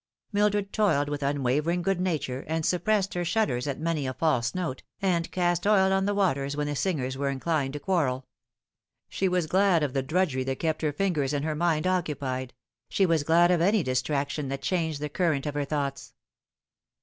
Mildred toiled with unwavering good nature, and suppressed her shudders at many a false note, and cast oil on the waters when the singers were inclined to quarrel She was glad of the 124 The Fatal Three. drudgery that kept her fingers and her mind occupied ; she was glad of any distraction that changed the current of her thoughts.